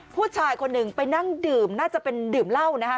ผู้ชายคนหนึ่งไปนั่งดื่มน่าจะเป็นดื่มเหล้านะฮะ